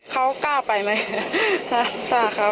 เขากล้าไปไหม